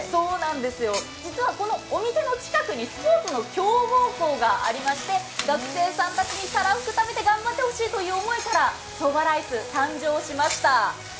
実は、このお店の近くにスポーツの強豪校がありまして学生さんたちに、たらふく食べて頑張ってほしいという思いからそばライス、誕生しました。